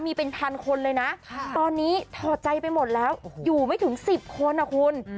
มีเป็นพันคนเลยนะตอนนี้ถอดใจไปหมดแล้วอยู่ไม่ถึง๑๐คนนะคุณ